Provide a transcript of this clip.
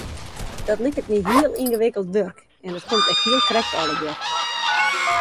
Dat liket my heel yngewikkeld wurk en dat komt ek hiel krekt allegear.